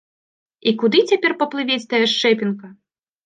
І куды цяпер паплывець тая шчэпінка?